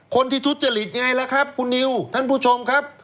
ทุจริตไงล่ะครับคุณนิวท่านผู้ชมครับ